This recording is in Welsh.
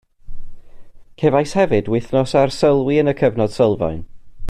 Cefais hefyd wythnos o arsylwi yn y cyfnod sylfaen